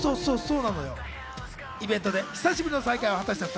イベントで久しぶりの再会を果たした２人。